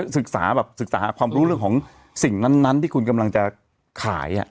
ศึกษาแบบศึกษาหาความรู้เรื่องของสิ่งนั้นที่คุณกำลังจะขาย